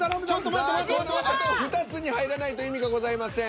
さあこのあと２つに入らないと意味がございません。